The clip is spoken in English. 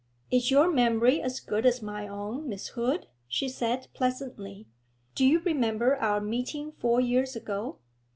'Is your memory as good as my own, Miss Hood?' she said pleasantly. 'Do you remember our meeting four years ago?'